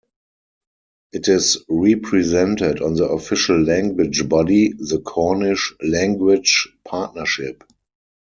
It is represented on the official language body, the Cornish Language Partnership.